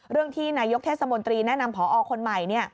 ที่นายกเทศมนตรีแนะนำพอคนใหม่